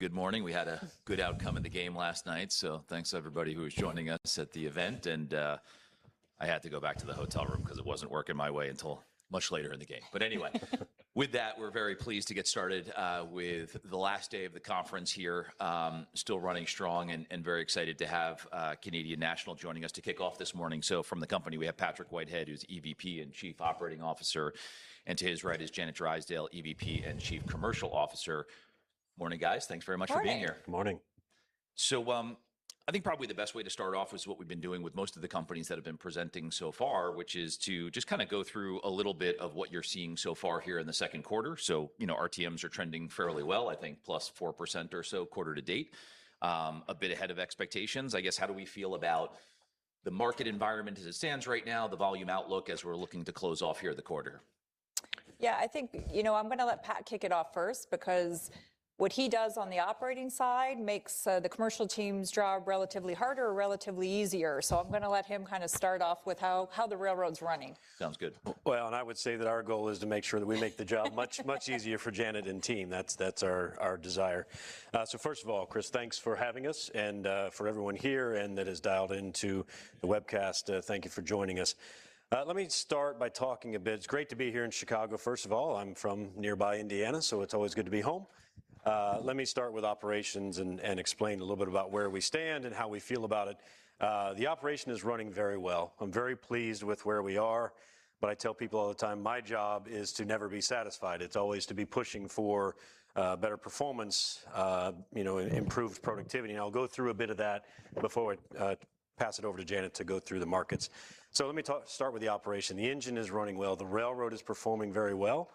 Good morning. We had a good outcome in the game last night, thanks to everybody who was joining us at the event. I had to go back to the hotel room because it wasn't working my way until much later in the game. Anyway. With that, we're very pleased to get started with the last day of the conference here, still running strong and very excited to have Canadian National joining us to kick off this morning. From the company, we have Patrick Whitehead, who's EVP and Chief Operating Officer, and to his right is Janet Drysdale, EVP and Chief Commercial Officer. Morning, guys. Thanks very much for being here. Morning. Good morning. I think probably the best way to start off is what we've been doing with most of the companies that have been presenting so far, which is to just kind of go through a little bit of what you're seeing so far here in the second quarter. RTMs are trending fairly well, I think +4% or so quarter to date. A bit ahead of expectations. I guess, how do we feel about the market environment as it stands right now, the volume outlook as we're looking to close off here the quarter? I think I'm going to let Pat kick it off first because what he does on the operating side makes the commercial team's job relatively harder or relatively easier. I'm going to let him kind of start off with how the railroad's running. Sounds good. I would say that our goal is to make sure that we make the job much easier for Janet and team. That's our desire. First of all, Chris, thanks for having us and for everyone here and that has dialed into the webcast, thank you for joining us. Let me start by talking a bit. It's great to be here in Chicago. First of all, I'm from nearby Indiana, so it's always good to be home. Let me start with operations and explain a little bit about where we stand and how we feel about it. The operation is running very well. I'm very pleased with where we are, but I tell people all the time, my job is to never be satisfied. It's always to be pushing for better performance, improved productivity, and I'll go through a bit of that before I pass it over to Janet to go through the markets. Let me start with the operation. The engine is running well. The railroad is performing very well.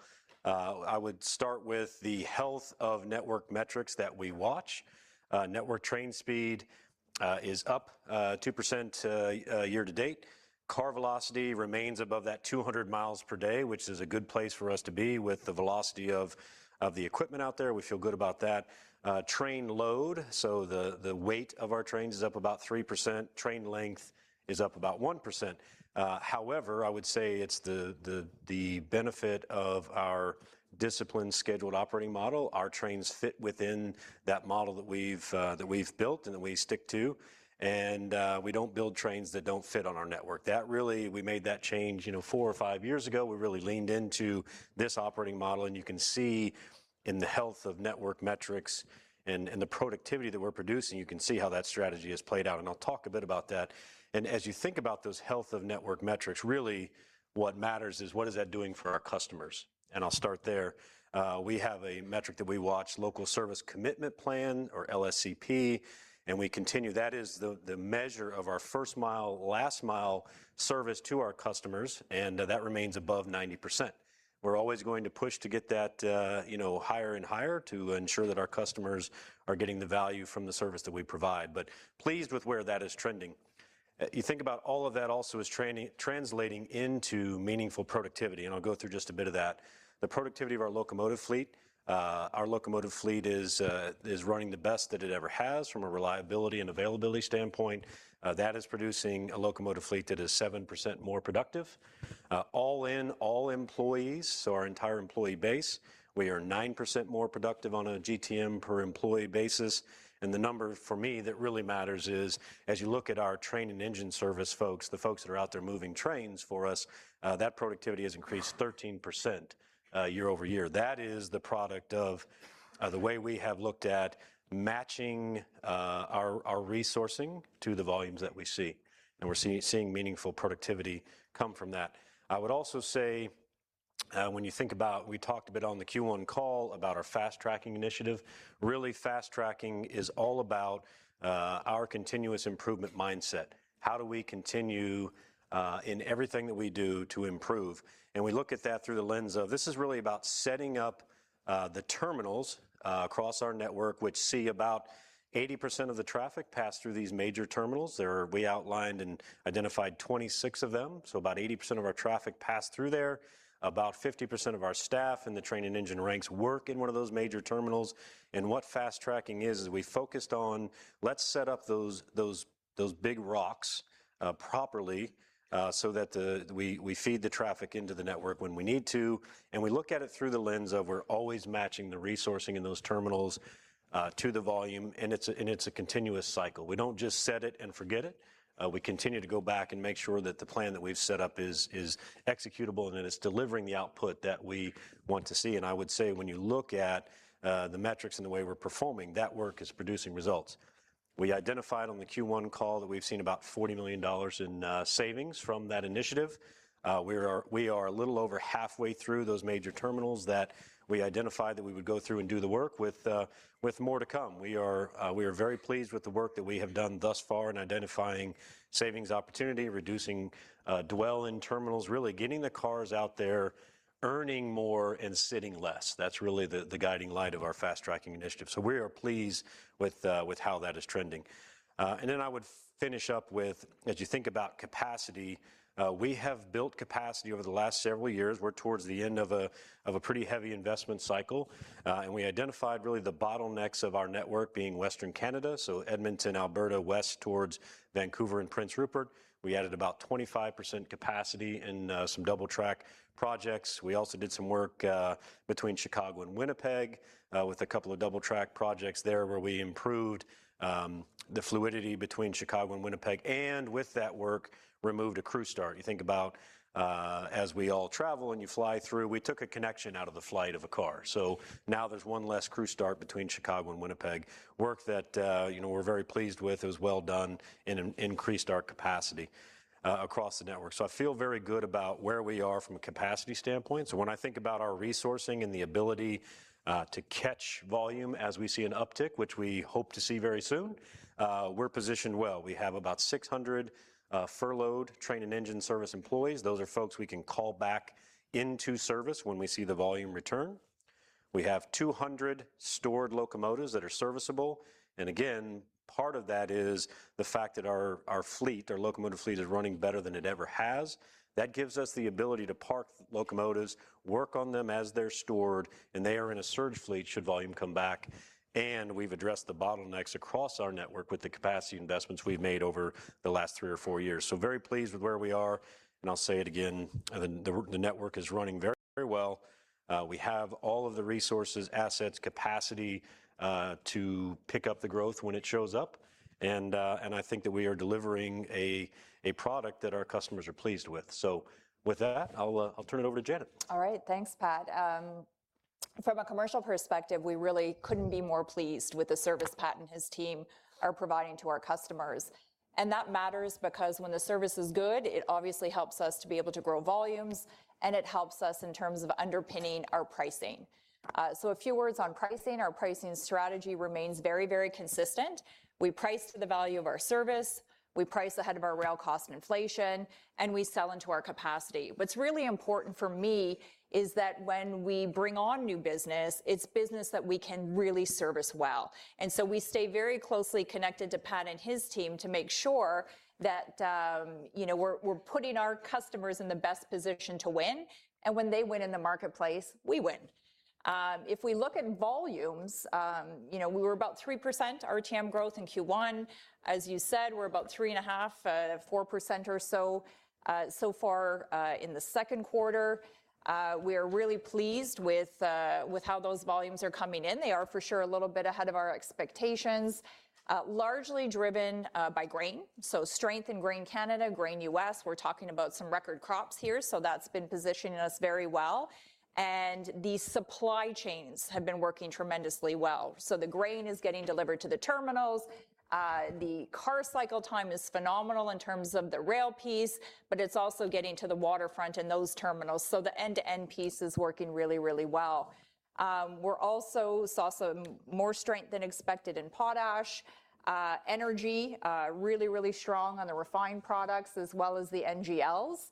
I would start with the health of network metrics that we watch. Network train speed is up 2% year to date. Car velocity remains above that 200 miles per day, which is a good place for us to be with the velocity of the equipment out there. We feel good about that. Train load. The weight of our trains is up about 3%. Train length is up about 1%. However, I would say it's the benefit of our disciplined scheduled operating model. Our trains fit within that model that we've built and that we stick to. We don't build trains that don't fit on our network. We made that change four or five years ago. We really leaned into this operating model, and you can see in the health of network metrics and the productivity that we're producing, you can see how that strategy has played out. I'll talk a bit about that. As you think about those health of network metrics, really what matters is what is that doing for our customers? I'll start there. We have a metric that we watch, Local Service Commitment Plan or LSCP, and we continue. That is the measure of our first-mile, last-mile service to our customers, and that remains above 90%. We're always going to push to get that higher and higher to ensure that our customers are getting the value from the service that we provide. Pleased with where that is trending. You think about all of that also as translating into meaningful productivity. I'll go through just a bit of that. The productivity of our locomotive fleet. Our locomotive fleet is running the best that it ever has from a reliability and availability standpoint. That is producing a locomotive fleet that is 7% more productive. All in, all employees, so our entire employee base, we are 9% more productive on a GTM per employee basis. The number for me that really matters is, as you look at our train and engine service folks, the folks that are out there moving trains for us, that productivity has increased 13% year-over-year. That is the product of the way we have looked at matching our resourcing to the volumes that we see. We're seeing meaningful productivity come from that. I would also say when you think about, we talked a bit on the Q1 call about our Fast Tracking initiative. Really Fast Tracking is all about our continuous improvement mindset. How do we continue in everything that we do to improve? We look at that through the lens of this is really about setting up the terminals across our network, which see about 80% of the traffic pass through these major terminals. We outlined and identified 26 of them, so about 80% of our traffic passed through there. About 50% of our staff in the train and engine ranks work in one of those major terminals. What Fast Tracking is we focused on let's set up those big rocks properly so that we feed the traffic into the network when we need to. We look at it through the lens of we're always matching the resourcing in those terminals to the volume. It's a continuous cycle. We don't just set it and forget it. We continue to go back and make sure that the plan that we've set up is executable and that it's delivering the output that we want to see. I would say when you look at the metrics and the way we're performing, that work is producing results. We identified on the Q1 call that we've seen about 40 million dollars in savings from that initiative. We are a little over halfway through those major terminals that we identified that we would go through and do the work with more to come. We are very pleased with the work that we have done thus far in identifying savings opportunity, reducing dwell in terminals, really getting the cars out there, earning more and sitting less. That's really the guiding light of our Fast Tracking initiative. We are pleased with how that is trending. I would finish up with, as you think about capacity, we have built capacity over the last several years. We're towards the end of a pretty heavy investment cycle. We identified really the bottlenecks of our network being Western Canada, so Edmonton, Alberta, west towards Vancouver and Prince Rupert. We added about 25% capacity in some double-track projects. We also did some work between Chicago and Winnipeg with a couple of double-track projects there where we improved the fluidity between Chicago and Winnipeg. With that work Removed a crew start. You think about as we all travel and you fly through, we took a connection out of the flight of a car. Now there's one less crew start between Chicago and Winnipeg. Work that we're very pleased with. It was well done and increased our capacity across the network. I feel very good about where we are from a capacity standpoint. When I think about our resourcing and the ability to catch volume as we see an uptick, which we hope to see very soon, we're positioned well. We have about 600 furloughed train and engine service employees. Those are folks we can call back into service when we see the volume return. We have 200 stored locomotives that are serviceable. Again, part of that is the fact that our locomotive fleet is running better than it ever has. That gives us the ability to park locomotives, work on them as they're stored, and they are in a surge fleet should volume come back. We've addressed the bottlenecks across our network with the capacity investments we've made over the last three or four years. Very pleased with where we are, and I'll say it again, the network is running very well. We have all of the resources, assets, capacity to pick up the growth when it shows up. I think that we are delivering a product that our customers are pleased with. With that, I'll turn it over to Janet. All right. Thanks, Pat. From a commercial perspective, we really couldn't be more pleased with the service Pat and his team are providing to our customers. That matters because when the service is good, it obviously helps us to be able to grow volumes, and it helps us in terms of underpinning our pricing. A few words on pricing. Our pricing strategy remains very consistent. We price to the value of our service, we price ahead of our rail cost and inflation, and we sell into our capacity. What's really important for me is that when we bring on new business, it's business that we can really service well. We stay very closely connected to Pat and his team to make sure that we're putting our customers in the best position to win. When they win in the marketplace, we win. If we look at volumes, we were about 3% RTM growth in Q1. As you said, we're about 3.5%, 4% or so far in the second quarter. We are really pleased with how those volumes are coming in. They are for sure a little bit ahead of our expectations. Largely driven by grain. Strength in grain Canada, grain U.S. We're talking about some record crops here, that's been positioning us very well. The supply chains have been working tremendously well. The grain is getting delivered to the terminals. The car cycle time is phenomenal in terms of the rail piece, but it's also getting to the waterfront and those terminals. The end-to-end piece is working really well. We also saw some more strength than expected in potash. Energy, really strong on the refined products as well as the NGLs.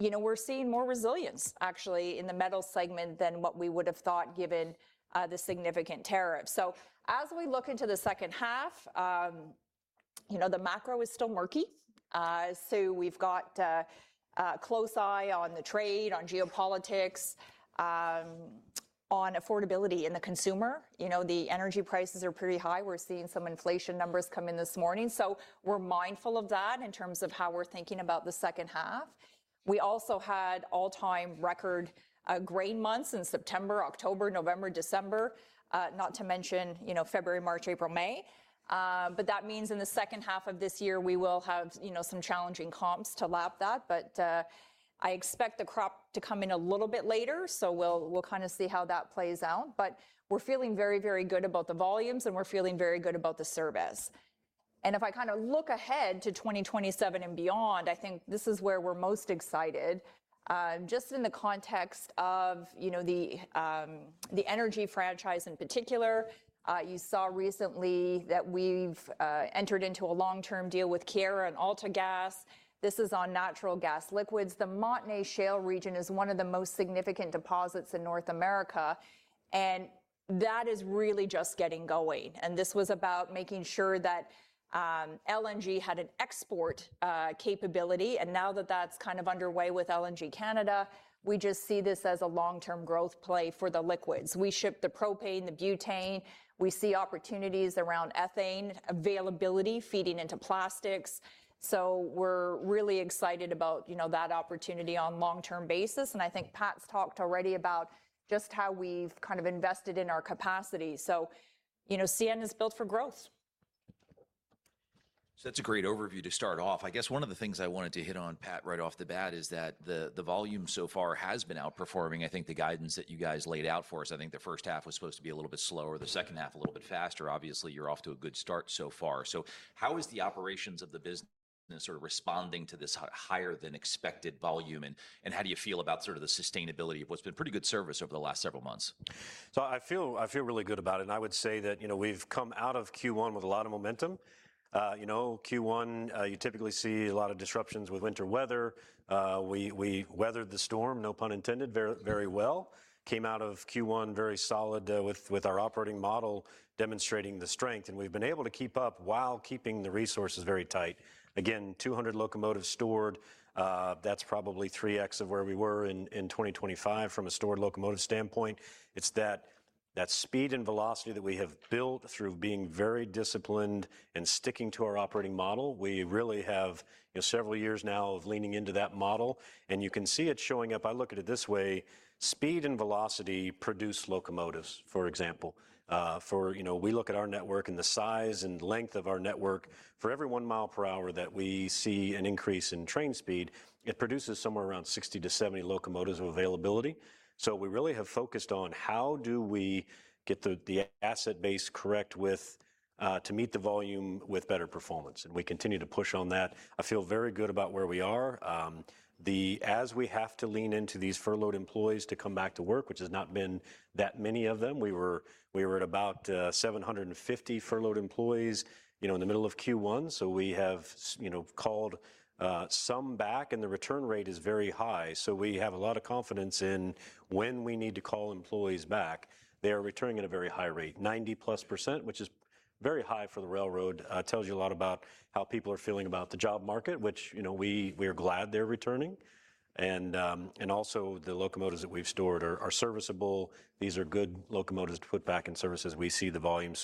We're seeing more resilience, actually, in the metal segment than what we would have thought given the significant tariff. As we look into the second half, the macro is still murky. We've got a close eye on the trade, on geopolitics, on affordability in the consumer. The energy prices are pretty high. We're seeing some inflation numbers come in this morning. We're mindful of that in terms of how we're thinking about the second half. We also had all-time record grain months in September, October, November, December, not to mention February, March, April, May. That means in the second half of this year, we will have some challenging comps to lap that. I expect the crop to come in a little bit later. We'll kind of see how that plays out. We're feeling very good about the volumes, and we're feeling very good about the service. If I look ahead to 2027 and beyond, I think this is where we're most excited. Just in the context of the energy franchise in particular, you saw recently that we've entered into a long-term deal with Keyera and AltaGas. This is on natural gas liquids. The Montney Shale region is one of the most significant deposits in North America, and that is really just getting going. This was about making sure that LNG had an export capability, and now that that's kind of underway with LNG Canada, we just see this as a long-term growth play for the liquids. We ship the propane, the butane. We see opportunities around ethane availability feeding into plastics. We're really excited about that opportunity on long-term basis, and I think Pat's talked already about just how we've invested in our capacity. CN is built for growth. That's a great overview to start off. I guess one of the things I wanted to hit on, Pat, right off the bat is that the volume so far has been outperforming, I think, the guidance that you guys laid out for us. I think the first half was supposed to be a little bit slower, the second half a little bit faster. Obviously, you're off to a good start so far. How is the operations of the business sort of responding to this higher than expected volume, and how do you feel about sort of the sustainability of what's been pretty good service over the last several months? I feel really good about it, I would say that we've come out of Q1 with a lot of momentum. Q1, you typically see a lot of disruptions with winter weather. We weathered the storm, no pun intended, very well. Came out of Q1 very solid with our operating model demonstrating the strength, and we've been able to keep up while keeping the resources very tight. Again, 200 locomotives stored. That's probably 3x of where we were in 2025 from a stored locomotive standpoint. It's that That speed and velocity that we have built through being very disciplined and sticking to our operating model, we really have several years now of leaning into that model, and you can see it showing up. I look at it this way, speed and velocity produce locomotives, for example. We look at our network and the size and length of our network. For every one mile per hour that we see an increase in train speed, it produces somewhere around 60-70 locomotives of availability. We really have focused on how do we get the asset base correct to meet the volume with better performance, and we continue to push on that. I feel very good about where we are. As we have to lean into these furloughed employees to come back to work, which has not been that many of them. We were at about 750 furloughed employees in the middle of Q1. We have called some back, and the return rate is very high. We have a lot of confidence in when we need to call employees back. They are returning at a very high rate, 90%+, which is very high for the railroad. Tells you a lot about how people are feeling about the job market, which we are glad they're returning. Also the locomotives that we've stored are serviceable. These are good locomotives to put back in service as we see the volume.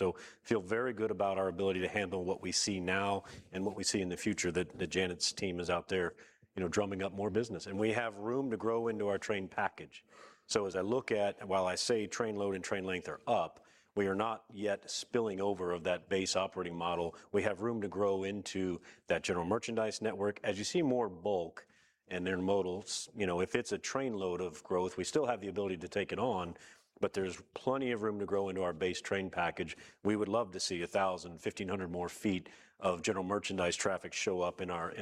Feel very good about our ability to handle what we see now and what we see in the future, that Janet's team is out there drumming up more business. We have room to grow into our train package. As I look at, while I say train load and train length are up, we are not yet spilling over of that base operating model. We have room to grow into that general merchandise network. As you see more bulk and intermodals, if it's a train load of growth, we still have the ability to take it on, but there's plenty of room to grow into our base train package. We would love to see 1,000, 1,500 more feet of general merchandise traffic show up in our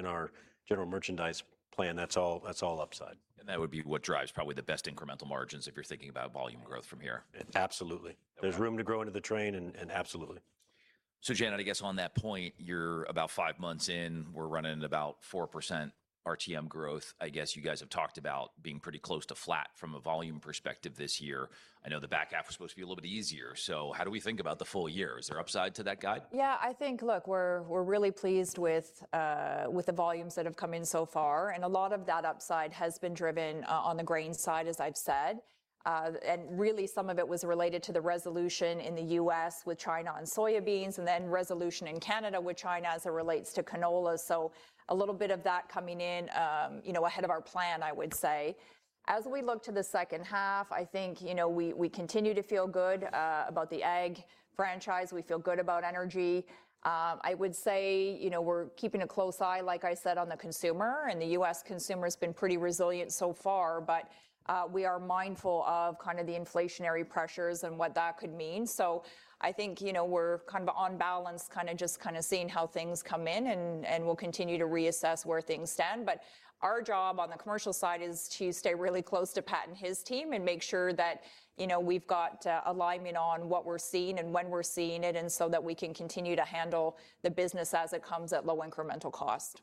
general merchandise plan. That's all upside. that would be what drives probably the best incremental margins if you're thinking about volume growth from here. Absolutely. There's room to grow into the train and absolutely. Janet, I guess on that point, you're about five months in. We're running about 4% RTM growth. I guess you guys have talked about being pretty close to flat from a volume perspective this year. I know the back half was supposed to be a little bit easier. How do we think about the full year? Is there upside to that guide? I think, look, we're really pleased with the volumes that have come in so far, and a lot of that upside has been driven on the grains side, as I've said. Really some of it was related to the resolution in the U.S. with China on soybeans and then resolution in Canada with China as it relates to canola. A little bit of that coming in ahead of our plan, I would say. As we look to the second half, I think we continue to feel good about the ag franchise. We feel good about energy. I would say we're keeping a close eye, like I said, on the consumer, and the U.S. consumer's been pretty resilient so far, we are mindful of the inflationary pressures and what that could mean. I think we're on balance, just seeing how things come in, and we'll continue to reassess where things stand. Our job on the commercial side is to stay really close to Pat and his team and make sure that we've got alignment on what we're seeing and when we're seeing it, and so that we can continue to handle the business as it comes at low incremental cost.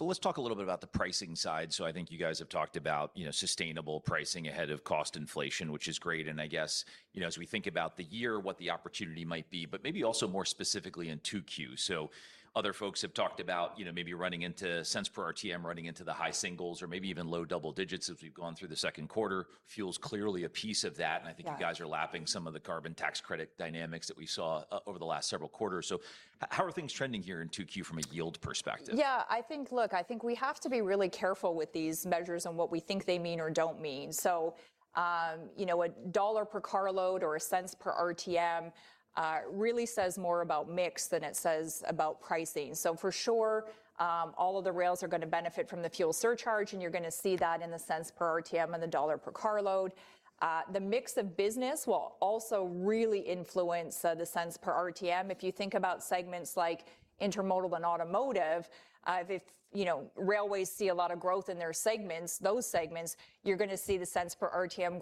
Let's talk a little bit about the pricing side. I think you guys have talked about sustainable pricing ahead of cost inflation, which is great. I guess, as we think about the year, what the opportunity might be, but maybe also more specifically in 2Q. Other folks have talked about maybe running into cents per RTM, running into the high singles or maybe even low double digits as we've gone through the second quarter. Fuel's clearly a piece of that. Yeah. I think you guys are lapping some of the Canada Carbon Rebate dynamics that we saw over the last several quarters. How are things trending here in 2Q from a yield perspective? I think we have to be really careful with these measures and what we think they mean or don't mean. A CAD 1 per carload or a cents per RTM really says more about mix than it says about pricing. For sure, all of the rails are going to benefit from the fuel surcharge, and you're going to see that in the cents per RTM and the CAD 1 per carload. The mix of business will also really influence the cents per RTM. If you think about segments like intermodal and automotive, if railways see a lot of growth in their segments, those segments, you're going to see the cents per RTM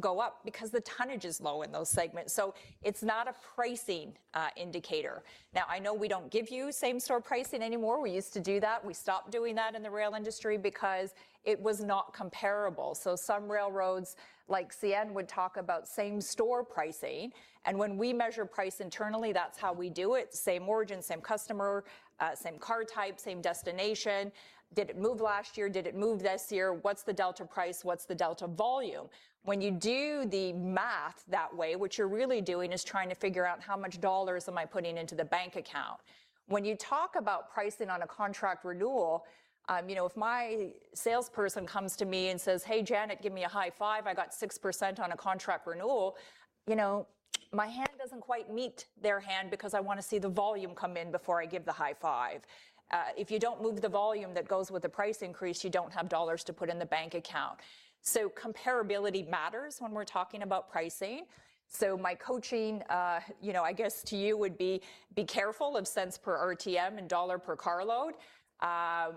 go up because the tonnage is low in those segments. It's not a pricing indicator. Now, I know we don't give you same-store pricing anymore. We used to do that. We stopped doing that in the rail industry because it was not comparable. Some railroads, like CN, would talk about same-store pricing. When we measure price internally, that's how we do it. Same origin, same customer, same car type, same destination. Did it move last year? Did it move this year? What's the delta price? What's the delta volume? When you do the math that way, what you're really doing is trying to figure out how much dollars am I putting into the bank account. When you talk about pricing on a contract renewal, if my salesperson comes to me and says, "Hey, Janet, give me a high five, I got 6% on a contract renewal," my hand doesn't quite meet their hand because I want to see the volume come in before I give the high five. If you don't move the volume that goes with the price increase, you don't have dollars to put in the bank account. Comparability matters when we're talking about pricing. My coaching, I guess to you, would be careful of cents per RTM and dollar per carload.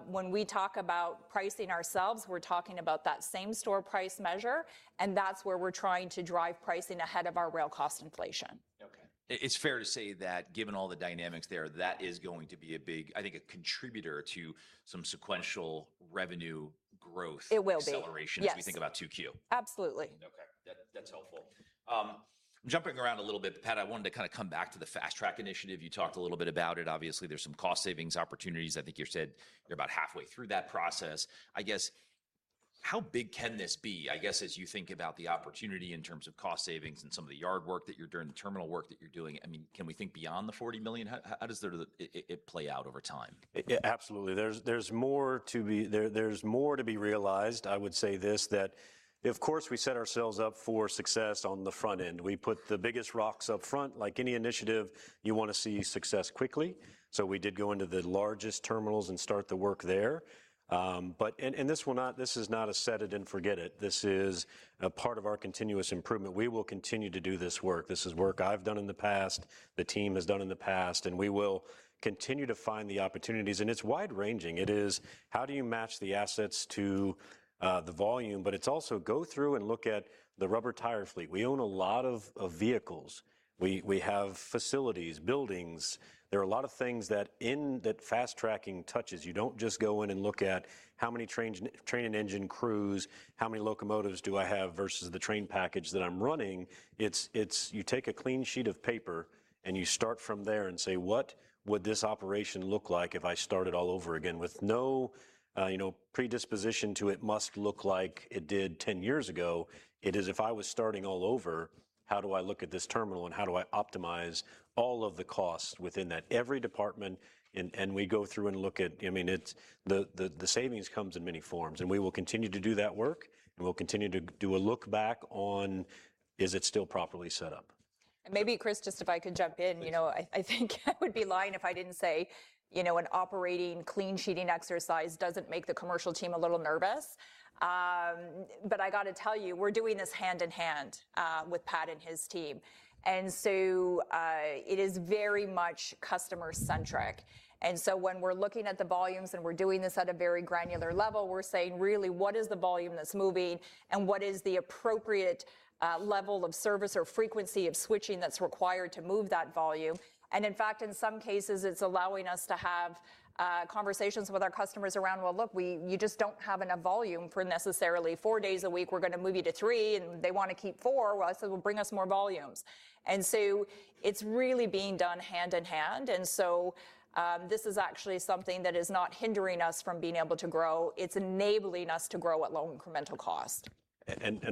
When we talk about pricing ourselves, we're talking about that same-store price measure, and that's where we're trying to drive pricing ahead of our rail cost inflation. Okay. It's fair to say that given all the dynamics there, that is going to be, I think, a contributor to some sequential revenue growth. It will be. Acceleration- Yes. As we think about 2Q? Absolutely. Okay. That's helpful. Jumping around a little bit, Pat, I wanted to come back to the Fast Track initiative. You talked a little bit about it. Obviously, there's some cost savings opportunities. I think you said you're about halfway through that process. How big can this be? I guess as you think about the opportunity in terms of cost savings and some of the yard work that you're doing, the terminal work that you're doing. Can we think beyond the 40 million? How does it play out over time? Absolutely. There's more to be realized. I would say this, that of course, we set ourselves up for success on the front end. We put the biggest rocks up front. Like any initiative, you want to see success quickly. We did go into the largest terminals and start the work there. This is not a set it and forget it. This is a part of our continuous improvement. We will continue to do this work. This is work I've done in the past, the team has done in the past, we will continue to find the opportunities. It's wide-ranging. It is, how do you match the assets to the volume? It's also go through and look at the rubber tire fleet. We own a lot of vehicles. We have facilities, buildings. There are a lot of things that Fast Tracking touches. You don't just go in and look at how many train and engine crews, how many locomotives do I have versus the train package that I'm running. It's you take a clean sheet of paper and you start from there and say, "What would this operation look like if I started all over again with no predisposition to it must look like it did 10 years ago?" It is if I was starting all over, how do I look at this terminal, and how do I optimize all of the costs within that? Every department. The savings comes in many forms, we will continue to do that work, we'll continue to do a look back on, is it still properly set up? Maybe, Chris, just if I could jump in. I think I would be lying if I didn't say an operating clean sheeting exercise doesn't make the commercial team a little nervous. I got to tell you, we're doing this hand in hand with Pat and his team. It is very much customer-centric. When we're looking at the volumes, and we're doing this at a very granular level, we're saying, really, what is the volume that's moving, and what is the appropriate level of service or frequency of switching that's required to move that volume? In fact, in some cases, it's allowing us to have conversations with our customers around, well, look, you just don't have enough volume for necessarily four days a week. We're going to move you to three, and they want to keep four. I said, "Well, bring us more volumes." It's really being done hand in hand. This is actually something that is not hindering us from being able to grow. It's enabling us to grow at low incremental cost.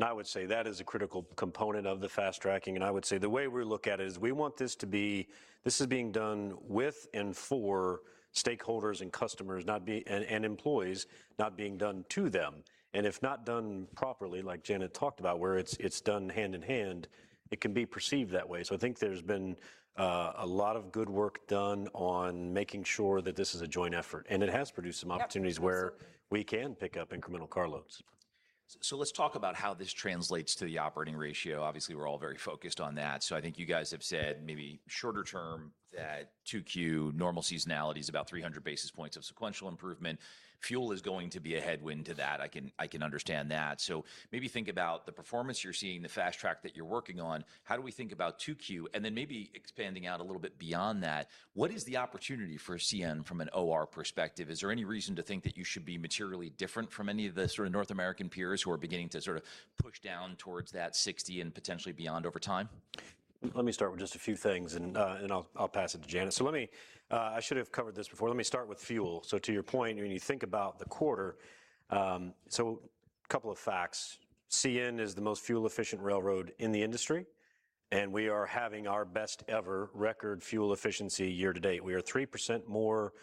I would say that is a critical component of the Fast Tracking. I would say the way we look at it is we want this to be, this is being done with and for stakeholders and customers, and employees, not being done to them. If not done properly, like Janet talked about, where it's done hand in hand, it can be perceived that way. I think there's been a lot of good work done on making sure that this is a joint effort, and it has produced some opportunities. Absolutely Where we can pick up incremental car loads. Let's talk about how this translates to the operating ratio. Obviously, we're all very focused on that. I think you guys have said maybe shorter term that 2Q normal seasonality is about 300 basis points of sequential improvement. Fuel is going to be a headwind to that. I can understand that. Maybe think about the performance you're seeing, the Fast Tracking that you're working on. How do we think about 2Q? Maybe expanding out a little bit beyond that, what is the opportunity for CN from an OR perspective? Is there any reason to think that you should be materially different from any of the North American peers who are beginning to push down towards that 60 and potentially beyond over time? Let me start with just a few things, and I'll pass it to Janet. I should have covered this before. Let me start with fuel. To your point, when you think about the quarter, a couple of facts. CN is the most fuel-efficient railroad in the industry, and we are having our best ever record fuel efficiency year to date. We are 3% more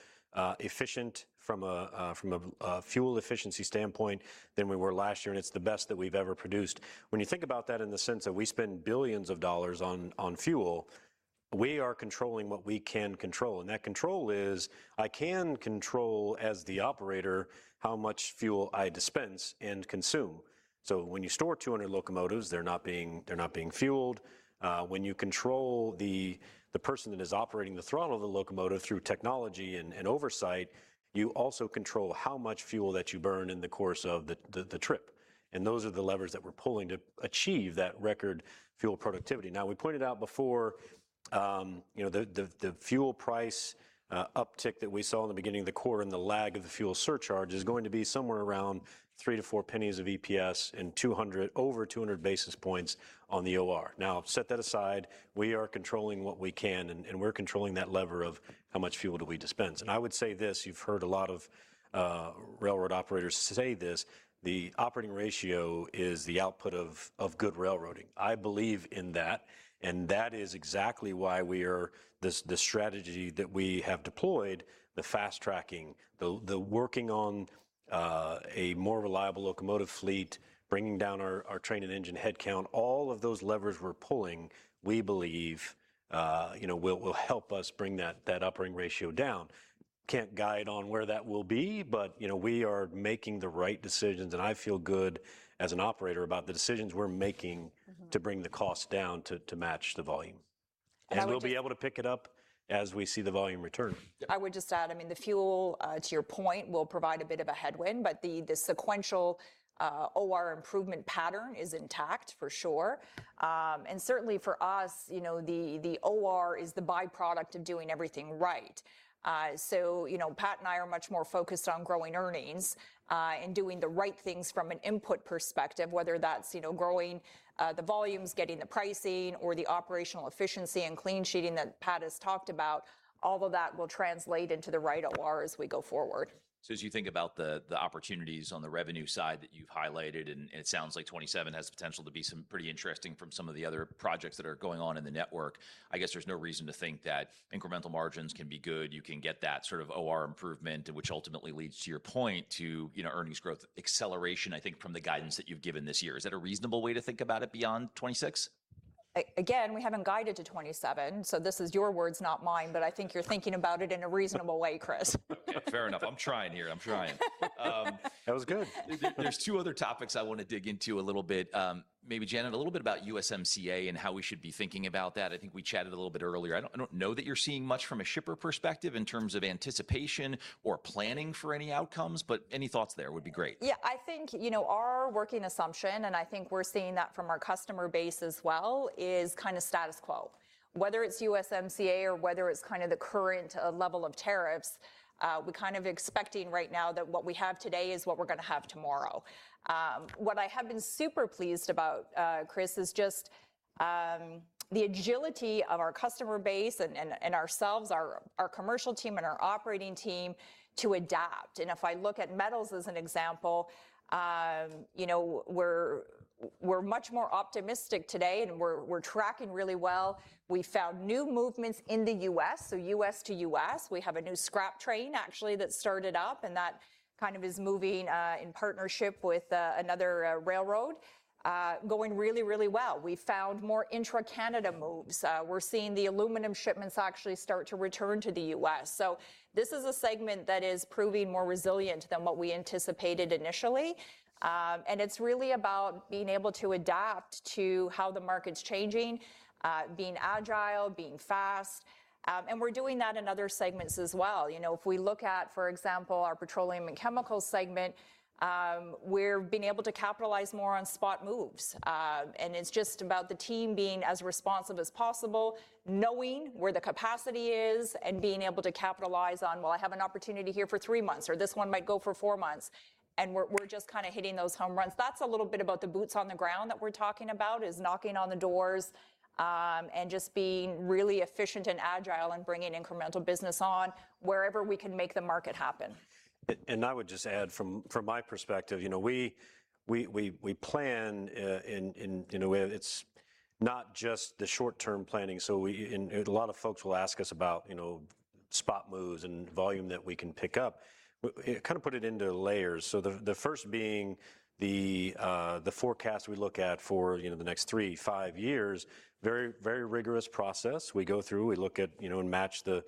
efficient from a fuel efficiency standpoint than we were last year, and it's the best that we've ever produced. When you think about that in the sense that we spend billions of CAD on fuel, we are controlling what we can control. That control is I can control, as the operator, how much fuel I dispense and consume. When you store 200 locomotives, they're not being fueled. When you control the person that is operating the throttle of the locomotive through technology and oversight, you also control how much fuel that you burn in the course of the trip. Those are the levers that we're pulling to achieve that record fuel productivity. We pointed out before, the fuel price uptick that we saw in the beginning of the quarter and the lag of the fuel surcharge is going to be somewhere around 0.03-0.04 of EPS and over 200 basis points on the OR. Set that aside. We are controlling what we can, and we're controlling that lever of how much fuel do we dispense. I would say this, you've heard a lot of railroad operators say this, the operating ratio is the output of good railroading. I believe in that is exactly why the strategy that we have deployed, the Fast Tracking, the working on a more reliable locomotive fleet, bringing down our train and engine headcount, all of those levers we're pulling, we believe will help us bring that operating ratio down. Can't guide on where that will be, we are making the right decisions, and I feel good as an operator about the decisions we're making. To bring the cost down to match the volume. I would just. We'll be able to pick it up as we see the volume return. I would just add, the fuel, to your point, will provide a bit of a headwind, but the sequential OR improvement pattern is intact, for sure. Certainly, for us, the OR is the byproduct of doing everything right. Pat and I are much more focused on growing earnings, and doing the right things from an input perspective, whether that's growing the volumes, getting the pricing, or the operational efficiency and clean sheeting that Pat has talked about. All of that will translate into the right OR as we go forward. As you think about the opportunities on the revenue side that you've highlighted, and it sounds like 2027 has potential to be pretty interesting from some of the other projects that are going on in the network. I guess there's no reason to think that incremental margins can be good. You can get that sort of OR improvement, which ultimately leads to your point, to earnings growth acceleration, I think, from the guidance that you've given this year. Is that a reasonable way to think about it beyond 2026? Again, we haven't guided to 2027, so this is your words not mine, but I think you're thinking about it in a reasonable way, Chris. Fair enough. I'm trying here. That was good. There's two other topics I want to dig into a little bit. Maybe Janet, a little bit about USMCA and how we should be thinking about that. I think we chatted a little bit earlier. I don't know that you're seeing much from a shipper perspective in terms of anticipation or planning for any outcomes, but any thoughts there would be great. Yeah. I think our working assumption, and I think we're seeing that from our customer base as well, is kind of status quo. Whether it's USMCA or whether it's the current level of tariffs, we're kind of expecting right now that what we have today is what we're going to have tomorrow. What I have been super pleased about, Chris, is just the agility of our customer base and ourselves, our commercial team, and our operating team to adapt. If I look at metals as an example, we're much more optimistic today and we're tracking really well. We found new movements in the U.S., so U.S. to U.S. We have a new scrap train actually that started up, and that kind of is moving, in partnership with another railroad, going really well. We found more intra-Canada moves. We're seeing the aluminum shipments actually start to return to the U.S. This is a segment that is proving more resilient than what we anticipated initially. It's really about being able to adapt to how the market's changing, being agile, being fast. We're doing that in other segments as well. If we look at, for example, our petroleum and chemicals segment, we're being able to capitalize more on spot moves. It's just about the team being as responsive as possible, knowing where the capacity is, and being able to capitalize on, "Well, I have an opportunity here for three months," or, "This one might go for four months." We're just kind of hitting those home runs. That's a little bit about the boots on the ground that we're talking about, is knocking on the doors, and just being really efficient and agile and bringing incremental business on wherever we can make the market happen. I would just add from my perspective, we plan in a way that's not just the short-term planning. A lot of folks will ask us about spot moves and volume that we can pick up. Kind of put it into layers. The first being the forecast we look at for the next three, five years. Very rigorous process. We go through and match the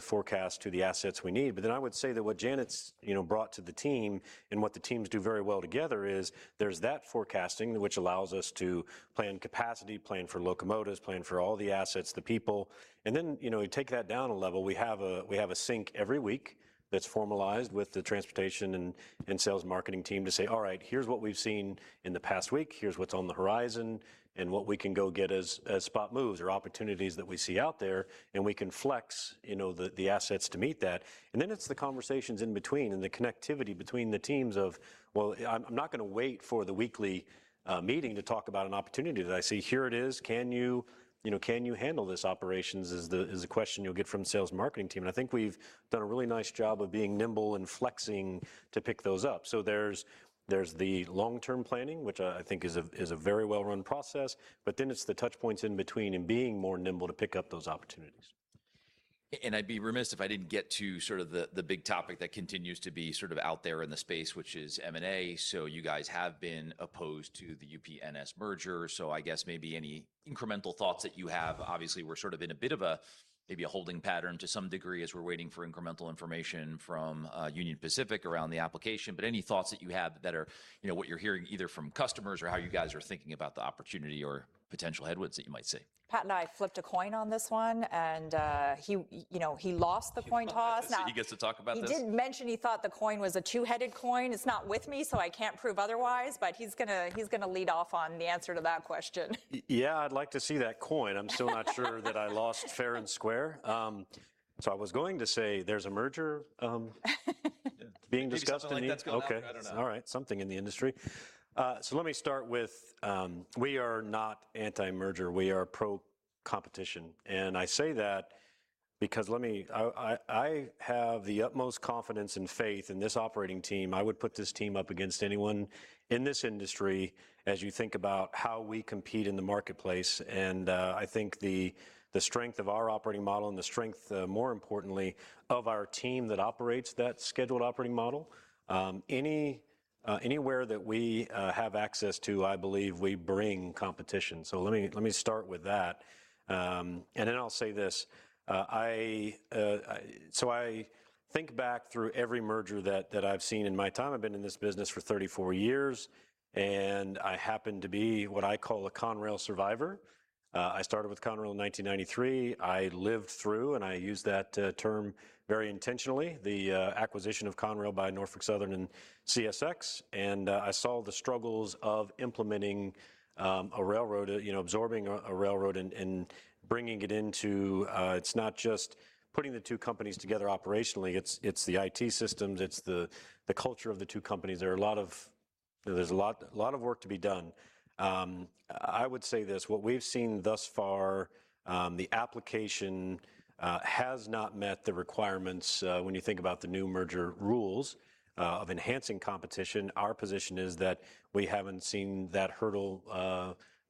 forecast to the assets we need. I would say that what Janet's brought to the team and what the teams do very well together is there's that forecasting which allows us to plan capacity, plan for locomotives, plan for all the assets, the people. Then, we take that down a level. We have a sync every week that's formalized with the transportation and sales marketing team to say, "All right. Here's what we've seen in the past week. Here's what's on the horizon, what we can go get as spot moves or opportunities that we see out there. We can flex the assets to meet that. It's the conversations in between and the connectivity between the teams of, well, I'm not going to wait for the weekly meeting to talk about an opportunity that I see. Here it is. Can you handle this, operations? Is the question you'll get from sales marketing team. I think we've done a really nice job of being nimble and flexing to pick those up. There's the long-term planning, which I think is a very well-run process, it's the touch points in between and being more nimble to pick up those opportunities. I'd be remiss if I didn't get to sort of the big topic that continues to be sort of out there in the space, which is M&A. You guys have been opposed to the UP-NS merger. I guess maybe any incremental thoughts that you have. Obviously, we're sort of in a bit of a maybe a holding pattern to some degree as we're waiting for incremental information from Union Pacific around the application. Any thoughts that you have that are what you're hearing either from customers or how you guys are thinking about the opportunity or potential headwinds that you might see. Pat and I flipped a coin on this one, he lost the coin toss. He gets to talk about this. He did mention he thought the coin was a two-headed coin. It's not with me, so I can't prove otherwise, but he's going to lead off on the answer to that question. Yeah. I'd like to see that coin. I'm still not sure that I lost fair and square. I was going to say there's a merger being discussed. Maybe something like that's going to happen. I don't know. Okay. All right. Something in the industry. Let me start with we are not anti-merger. We are pro-competition. I say that because I have the utmost confidence and faith in this operating team. I would put this team up against anyone in this industry as you think about how we compete in the marketplace. I think the strength of our operating model and the strength, more importantly, of our team that operates that scheduled operating model. Anywhere that we have access to, I believe we bring competition. Let me start with that. I'll say this. I think back through every merger that I've seen in my time. I've been in this business for 34 years, and I happen to be what I call a Conrail survivor. I started with Conrail in 1993. I lived through, I use that term very intentionally, the acquisition of Conrail by Norfolk Southern and CSX. I saw the struggles of implementing a railroad, absorbing a railroad and bringing it into. It's not just putting the two companies together operationally. It's the IT systems. It's the culture of the two companies. There's a lot of work to be done. I would say this. What we've seen thus far, the application has not met the requirements when you think about the new merger rules of enhancing competition. Our position is that we haven't seen that hurdle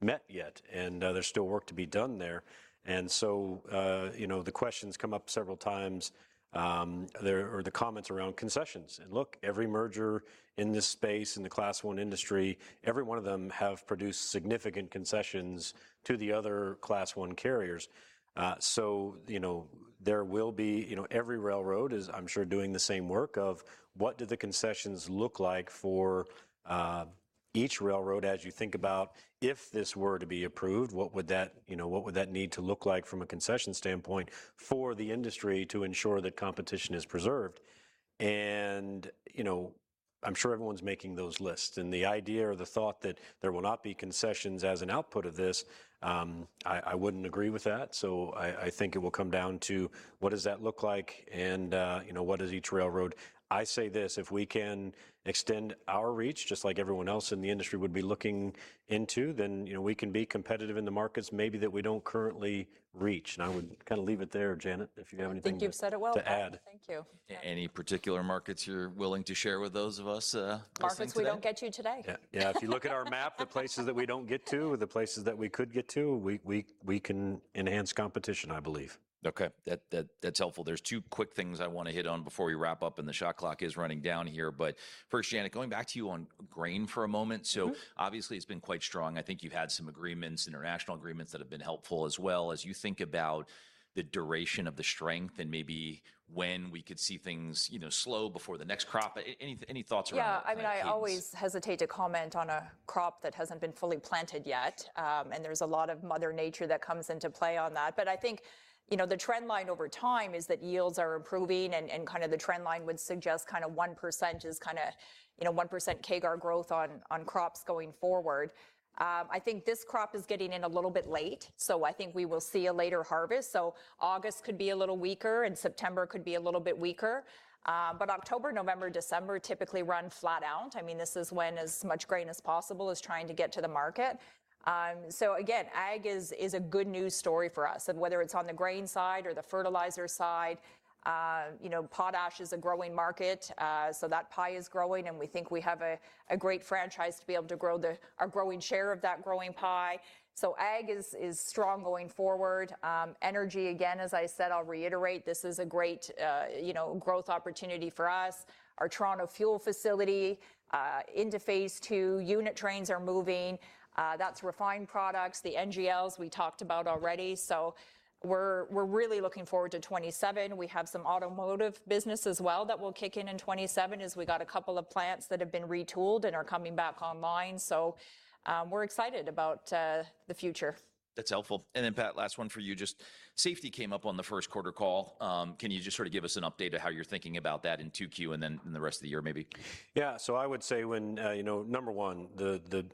met yet, and there's still work to be done there. The questions come up several times. There are the comments around concessions. Look, every merger in this space, in the Class I industry, every one of them have produced significant concessions to the other Class I carriers. Every railroad is, I'm sure, doing the same work of what do the concessions look like for each railroad as you think about if this were to be approved, what would that need to look like from a concession standpoint for the industry to ensure that competition is preserved? I'm sure everyone's making those lists, and the idea or the thought that there will not be concessions as an output of this, I wouldn't agree with that. I think it will come down to what does that look like, and what does each railroad. I say this, if we can extend our reach, just like everyone else in the industry would be looking into, then we can be competitive in the markets maybe that we don't currently reach. I would kind of leave it there, Janet, if you have anything- I think you've said it well. To add. Thank you. Any particular markets you're willing to share with those of us listening today? Markets we don't get to today. Yeah. If you look at our map, the places that we don't get to, the places that we could get to, we can enhance competition, I believe. Okay. That's helpful. There's two quick things I want to hit on before we wrap up, and the shot clock is running down here. First, Janet, going back to you on grain for a moment. Obviously, it's been quite strong. I think you had some agreements, international agreements, that have been helpful as well. As you think about the duration of the strength and maybe when we could see things slow before the next crop, any thoughts around that? Yeah. I always hesitate to comment on a crop that hasn't been fully planted yet. There's a lot of Mother Nature that comes into play on that. I think the trend line over time is that yields are improving and the trend line would suggest 1% CAGR growth on crops going forward. I think this crop is getting in a little bit late, I think we will see a later harvest. August could be a little weaker, and September could be a little bit weaker. October, November, December typically run flat out. This is when as much grain as possible is trying to get to the market. Again, ag is a good news story for us, and whether it's on the grain side or the fertilizer side, potash is a growing market. That pie is growing, and we think we have a great franchise to be able to grow our growing share of that growing pie. Ag is strong going forward. Energy, again, as I said, I'll reiterate, this is a great growth opportunity for us. Our Toronto fuel facility into phase II, unit trains are moving. That's refined products. The NGLs we talked about already. We're really looking forward to 2027. We have some automotive business as well that will kick in in 2027, as we got a couple of plants that have been retooled and are coming back online. We're excited about the future. That's helpful. Pat, last one for you. Safety came up on the first quarter call. Can you just sort of give us an update of how you're thinking about that in 2Q and then in the rest of the year maybe? Number one, the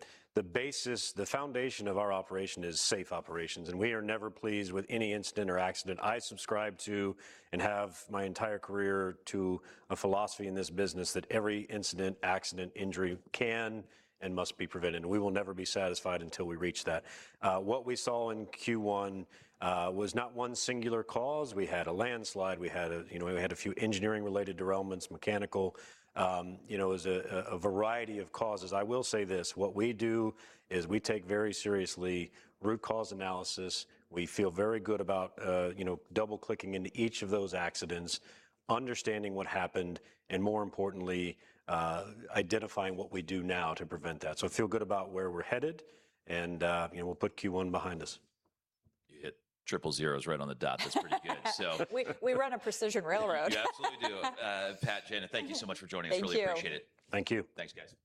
foundation of our operation is safe operations, we are never pleased with any incident or accident. I subscribe to, and have my entire career, to a philosophy in this business that every incident, accident, injury can and must be prevented. We will never be satisfied until we reach that. What we saw in Q1 was not one singular cause. We had a landslide, we had a few engineering-related derailments, mechanical, it was a variety of causes. I will say this, what we do is we take very seriously root cause analysis. We feel very good about double-clicking into each of those accidents, understanding what happened, more importantly, identifying what we do now to prevent that. I feel good about where we're headed and we'll put Q1 behind us. You hit triple zeros right on the dot. That's pretty good. We run a precision railroad. You absolutely do. Pat, Janet, thank you so much for joining us. Thank you. Really appreciate it. Thank you. Thanks, guys.